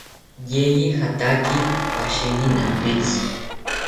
Yeye jataki pashini nampitzi